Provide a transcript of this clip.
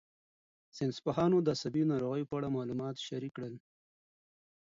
ساینسپوهان د عصبي ناروغیو په اړه معلومات شریک کړل.